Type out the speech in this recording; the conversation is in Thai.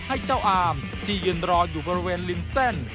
ให้เจ้าอามที่ยืนรออยู่บริเวณริมเส้น